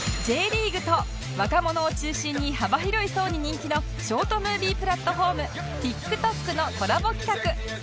Ｊ リーグと若者を中心に幅広い層に人気のショートムービープラットフォーム ＴｉｋＴｏｋ のコラボ企画